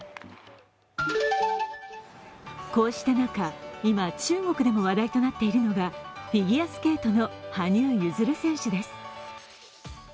こうした中、今、中国でも話題となっているのがフィギュアスケートの羽生結弦選手です。